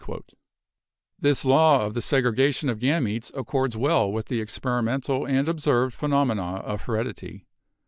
This law of the segregation of gametes accords well with the experimental and observed phenomena of hered ity.